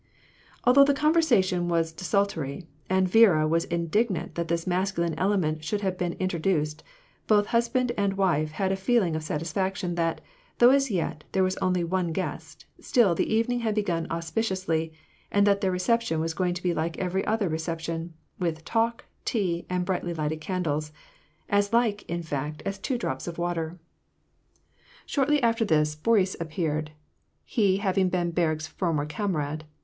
Although the conversation was desultory, and Viera was indignant that this masculine element should have been intro duced, both husband and wife had a feeling of satisfaction that, though as yet there was only one guest, still the evening had begun auspiciously, and that their reception was going to be like every other reception — with talk, tea, and brightly lighted candles — as like, in fact, as two drops of water. 220 WAR AND PEACE. Shortly after, Boris appeared, he having been Berg's for!n<*r comrade.